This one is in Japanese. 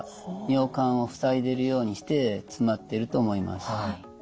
尿管を塞いでるようにして詰まってると思います。